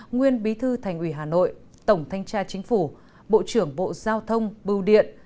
nguyên bí thư thành ủy hà nội tổng thanh tra chính phủ bộ trưởng bộ giao thông bưu điện